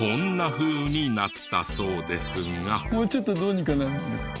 もうちょっとどうにかならない。